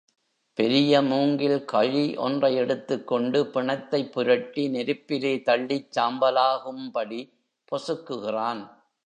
பெரிய மூங்கில் கழி ஒன்றை எடுத்துக் கொண்டு பிணத்தைப் புரட்டி நெருப்பிலே தள்ளிச் சாம்பலாக்கும் படி பொசுக்குகிறான்.